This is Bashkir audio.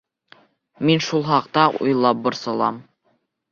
Мин шул хаҡта уйлап борсолам.